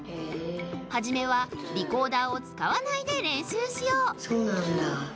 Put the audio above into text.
はじめはリコーダーをつかわないで練習しようそうなんだ。